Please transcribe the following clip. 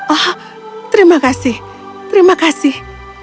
oh terima kasih terima kasih